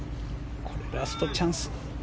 これ、ラストチャンス。